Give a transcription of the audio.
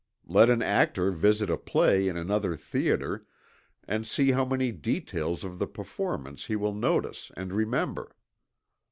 Let an actor visit a play in another theatre, and see how many details of the performance he will notice and remember.